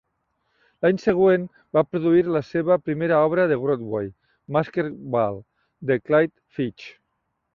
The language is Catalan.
L'any següent, va produir la seva primera obra de Broadway, Masked Ball, de Clyde Fitch.